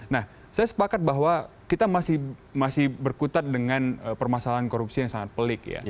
nah saya sepakat bahwa kita masih berkutat dengan permasalahan korupsi yang sangat pelik ya